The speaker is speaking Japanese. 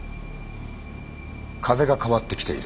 風が変わってきている。